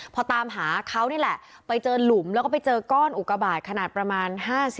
พอตามหาเขานี่แหละไปเจอหลุมแล้วก็ไปเจอก้อนอุกบาทขนาดประมาณ๕๐